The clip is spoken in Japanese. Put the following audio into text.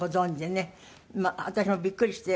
私もびっくりして。